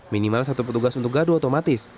minimal satu petugas untuk gardu otomatis